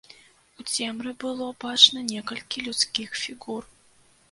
У цемры было бачна некалькі людскіх фігур.